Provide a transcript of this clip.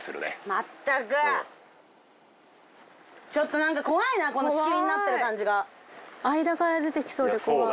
まったくちょっと何か怖いなこの仕切りになってる感じが間から出てきそうで怖い